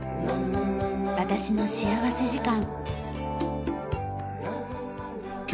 『私の幸福時間』。